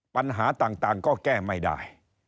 ปัญหาต่างก็แก้ไม่ได้